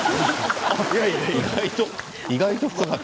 意外と。